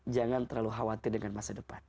jangan terlalu khawatir dengan masa depan